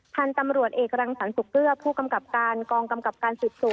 พันธุ์ตำรวจเอกรังสรรสุกเกลือผู้กำกับการกองกำกับการสืบสวน